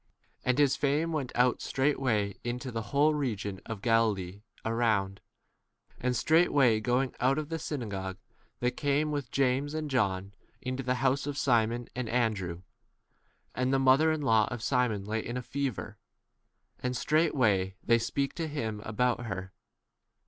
And his fame went out straightway into the whole region of Galilee around. 29 And straightway going out of the synagogue, they came with James and John into the house of Simon 30 and Andrew. And the mother in law of Simon lay in a fever. And straightway they speak to 31 him about her.